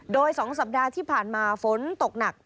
โดย๒สัปดาห์ที่ผ่านมาฝนตกหนัก